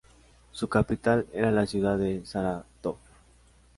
Su capital era la ciudad de Sarátov.